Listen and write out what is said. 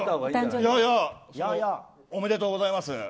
おめでとうございます。